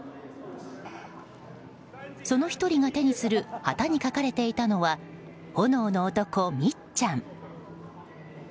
その１人が手にする旗に書かれていたのは「炎の男、三っちゃん」。